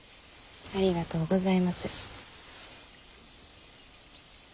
ありがとうございます。